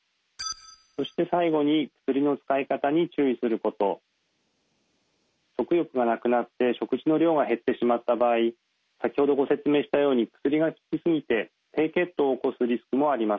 そして最後に食欲がなくなって食事の量が減ってしまった場合先ほどご説明したように薬が効き過ぎて低血糖を起こすリスクもあります。